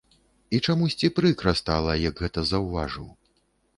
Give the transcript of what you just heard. І чамусьці прыкра стала, як гэта заўважыў.